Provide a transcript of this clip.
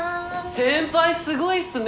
先輩すごいっすね！